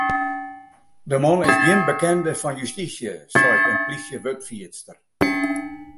De man is gjin bekende fan justysje, seit in plysjewurdfierster.